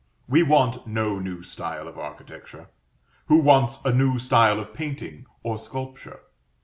We want no new style of architecture. Who wants a new style of painting or sculpture?